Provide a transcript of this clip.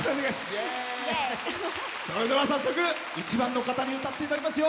それでは早速１番の方に歌っていただきますよ。